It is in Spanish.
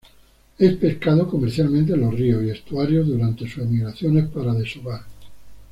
Es pescado comercialmente en los rios y estuarios durante sus migraciones para desovar.